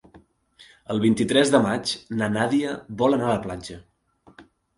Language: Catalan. El vint-i-tres de maig na Nàdia vol anar a la platja.